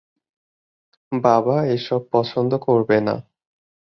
বাবা এসব পছন্দ করবে না।